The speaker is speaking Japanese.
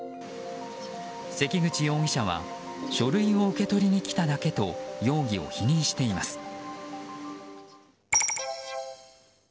関口容疑者は書類を受け取りに来ただけと容疑を否認しています。